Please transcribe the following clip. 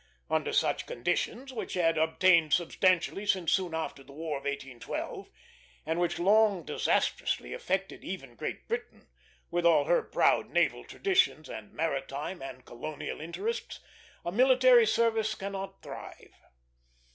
Under such conditions, which had obtained substantially since soon after the War of 1812, and which long disastrously affected even Great Britain, with all her proud naval traditions and maritime and colonial interests, a military service cannot thrive.